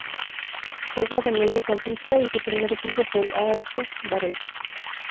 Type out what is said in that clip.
Juega de mediocampista y su primer equipo fue el A. S. Varese.